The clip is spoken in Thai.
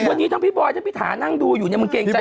วันนี้ทั้งพี่บอยทั้งพี่ถานั่งดูอยู่เนี่ยมึงเกรงใจ